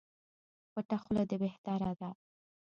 پټه خوله دي بهتري ده